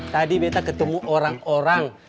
tadi beta ketemu orang orang